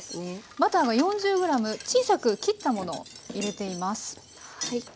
バターが４０ｇ小さく切ったものを入れています。